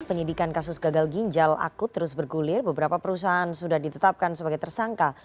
penyidikan kasus gagal ginjal akut terus bergulir beberapa perusahaan sudah ditetapkan sebagai tersangka